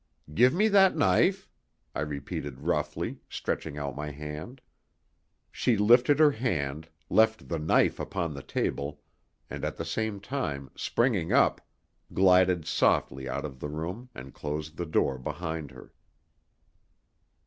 "Give me that knife," I repeated roughly, stretching out my hand. She lifted her hand, left the knife upon the table, and at the same time, springing up, glided softly out of the room and closed the door behind her.